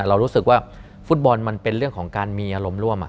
เรารู้สึกว่าฟุตบอลมันเป็นเรื่องของการมีอารมณ์ร่วม